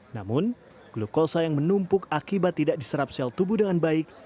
namun glukosa yang menumpuk akibat tidak diserap sel tubuh dengan baik